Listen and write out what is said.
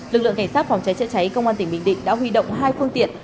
lực lượng cảnh sát phòng cháy chữa cháy công an tỉnh bình định đã huy động hai phương tiện